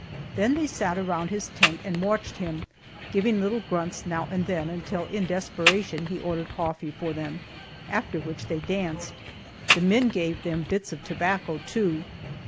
Then they sat around his tent and watched him, giving little grunts now and then until in desperation he ordered coffee for them, after which they danced. The men gave them bits of tobacco too.